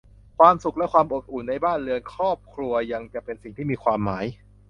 ความสุขและความอบอุ่นในบ้านเรือนครอบครัวยังจะเป็นสิ่งที่มีความหมาย